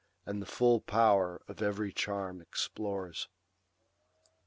And the full power of every charm explores.